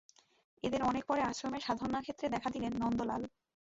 এঁদের অনেক পরে আশ্রমের সাধনাক্ষেত্রে দেখা দিলেন নন্দলাল।